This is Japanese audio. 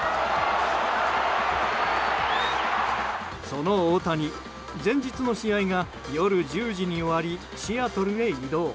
その大谷、前日の試合が夜１０時に終わりシアトルへ移動。